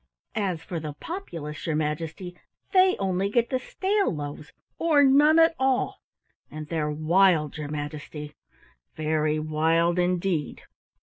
As for the populace, your Majesty, they only get the stale loaves or none at all, and they're wild, your Majesty, very wild indeed."